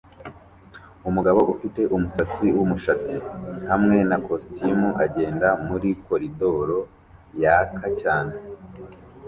Umugabo ufite umusatsi wumushatsi hamwe na kositimu agenda muri koridoro yaka cyane